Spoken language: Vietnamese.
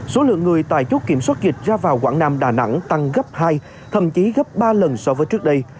số lượng người tại chốt kiểm soát dịch ra vào quảng nam đà nẵng tăng gấp hai thậm chí gấp ba lần so với trước đây